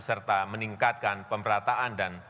serta meningkatkan pemerataan dan